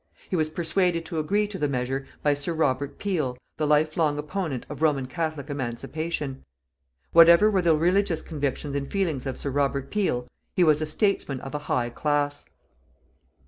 He was persuaded to agree to the measure by Sir Robert Peel, the life long opponent of Roman Catholic emancipation. Whatever were the religious convictions and feelings of Sir Robert Peel, he was a statesman of a high class.